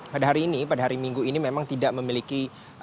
pada hari ini pada hari minggu ini memang tidak memiliki